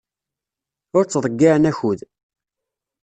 Ur ttḍeyyiɛen akud.